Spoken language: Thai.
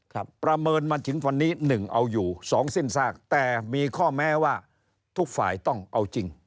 ประเมินมาถึงวันนี้หนึ่งเอาอยู่สองสิ้นซากแต่มีข้อแม้ว่าทุกฝ่ายต้องเอาจริง